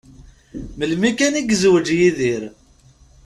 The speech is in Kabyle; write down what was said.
Melmi kan i yezweǧ Yidir.